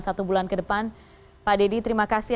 satu bulan kedepan pak deddy terima kasih